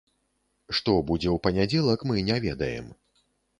Што будзе ў панядзелак, мы не ведаем.